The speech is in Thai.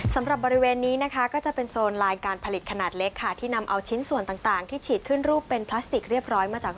สำหรับบริเวณนี้นะคะก็จะเป็นโซนลายการผลิตขนาดเล็กค่ะ